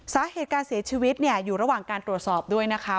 สาเหตุการเสียชีวิตเนี่ยอยู่ระหว่างการตรวจสอบด้วยนะคะ